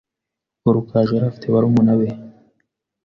Ubwo Rugaju yari afite barumuna be